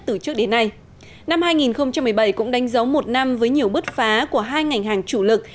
từ trước đến nay năm hai nghìn một mươi bảy cũng đánh dấu một năm với nhiều bứt phá của hai ngành hàng chủ lực